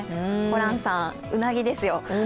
ホランさん、うなぎですよ。